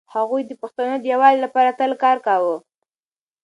هغوی د پښتنو د يووالي لپاره تل کار کاوه.